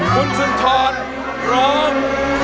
คุณสุนทรรพร้อม